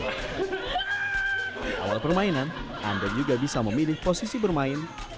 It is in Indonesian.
di awal permainan anda juga bisa memilih posisi bermain